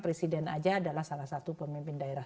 presiden aja adalah salah satu pemimpin daerah